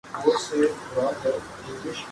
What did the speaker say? عوام بیچارے کیا کریں۔